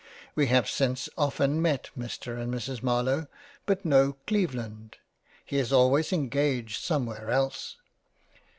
We have since often met Mr and Mrs Marlowe but no Cleveland — he is always engaged some where else.